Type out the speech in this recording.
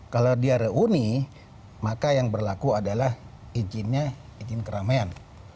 kalau dia reuni maka yang berlaku adalah izinnya izin keramaian